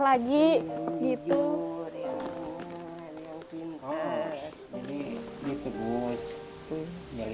belajar yang bener